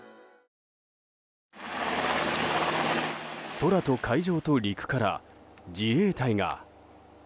空と海上と陸から自衛隊が。